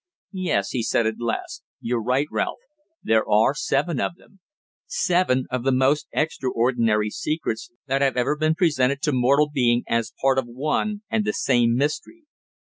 "Yes," he said at last, "you're right, Ralph, there are seven of them seven of the most extraordinary secrets that have ever been presented to mortal being as part of one and the same mystery."